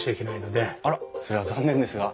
あらっそれは残念ですが。